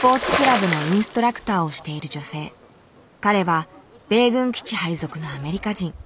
彼は米軍基地配属のアメリカ人。